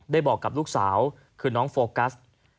บอกกับลูกสาวคือน้องโฟกัส